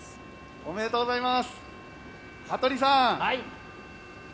ありがとうございます。